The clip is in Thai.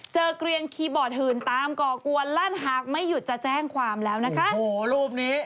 เจอเกลียนคี่บอร์ดหื่นตามก่อกวนรั่นหักไม่หยุดจะแจ้งความโหโหรูปนี้